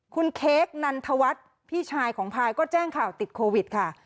คุณเค้กนันทวัฒน์พี่ชายของพายก็แจ้งข่าวติดโควิดค่ะ